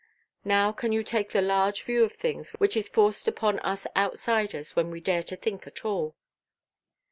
Now can you take the large view of things which is forced upon us outsiders when we dare to think at all?"